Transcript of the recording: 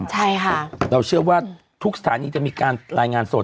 ใช่ค่ะเราเชื่อว่าทุกสถานีจะมีการรายงานสด